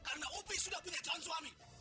karena upi sudah punya jalan suami